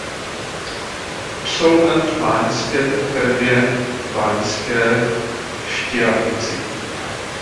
Absolvent Báňské akademie v Banské Štiavnici.